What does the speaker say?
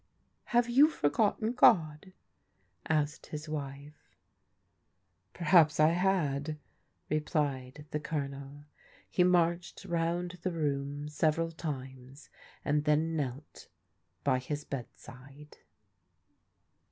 " Have you forgotten God? " asked his wife. "Perhaps I had," replied the Colonel. He marched round the room several times and then knelt by his bed side.